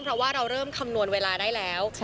เพราะว่าเราเริ่มคำนวณเวลาได้แล้ว